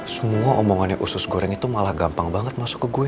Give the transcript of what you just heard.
semua omongannya usus goreng itu malah gampang banget masuk ke gue